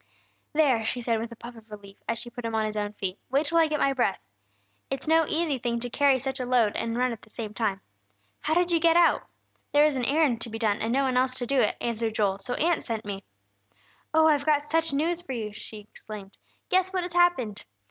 "There!" she said, with a puff of relief, as she put him on his own feet. "Wait till I get my breath! It's no easy thing to carry such a load and run at the same time! How did you get out?" "There was an errand to be done, and no one else to do it," answered Joel, "so Aunt sent me." "Oh, I've got such news for you!" she exclaimed. "Guess what has happened!